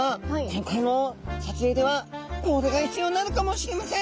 今回の撮影ではこれが必要になるかもしれません。